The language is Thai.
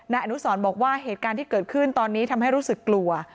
อนุสรบอกว่าเหตุการณ์ที่เกิดขึ้นตอนนี้ทำให้รู้สึกกลัว